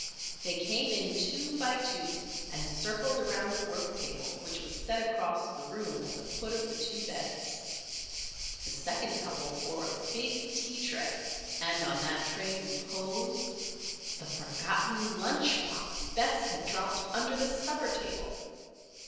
They came in two by two and circled around the work table which was set across the room at the foot of the two beds. The second couple bore a big tea tray and on that tray reposed _the forgotten lunch box Bess had dropped under the supper table!